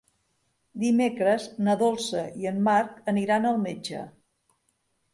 Dimecres na Dolça i en Marc aniran al metge.